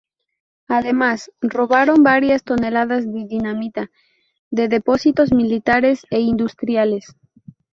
Además, robaron varias toneladas de dinamita de depósitos militares e industriales.